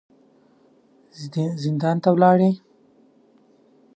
زندان ته ولاړې.